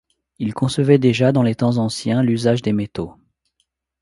Ils concevaient déjà dans les temps anciens l'usage des métaux.